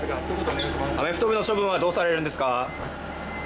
アメフト部の処分はどうされるのですか？